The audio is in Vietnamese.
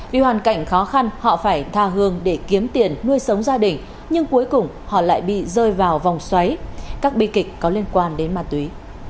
vì hoàn cảnh khó khăn họ phải tha hương để kiếm tiền nuôi sống gia đình nhưng cuối cùng họ lại bị rơi vào vòng xoáy các bi kịch có liên quan đến ma túy